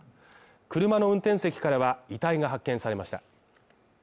車の運転席からは、遺体が発見されました。